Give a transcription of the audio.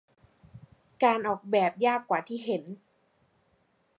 การออกแบบยากกว่าที่เห็น